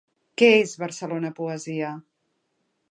Què és Barcelona Poesia?